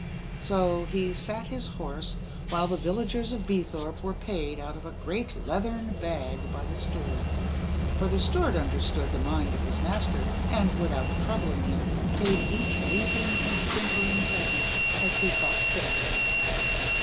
So he sat his horse, while the villagers of Beethorpe were paid out of a great leathern bag by the steward for the steward understood the mind of his master, and, without troubling him, paid each weeping and whimpering peasant as he thought fit.